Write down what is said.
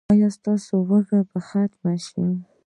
ایا ستاسو لوږه به ختمه شي؟